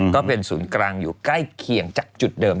ก็เป็นศูนย์กลางอยู่ใกล้เคียงจากจุดเดิม